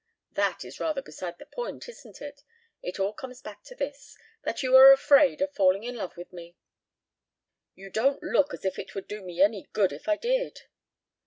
"That is rather beside the point, isn't it? It all comes back to this that you are afraid of falling in love with me." "You don't look as if it would do me any good if I did."